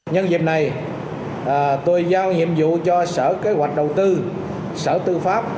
nhân dịp này tôi giao nhiệm vụ cho sở kế hoạch đầu tư sở tư pháp